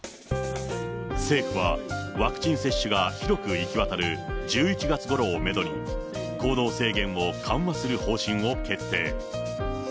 政府は、ワクチン接種が広く行き渡る１１月ごろをメドに、行動制限を緩和する方針を決定。